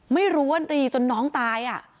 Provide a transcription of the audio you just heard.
ไม่รู้ว่าตีจนน้องตาย